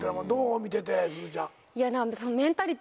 見ててすずちゃん。